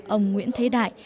ông nguyễn thế đại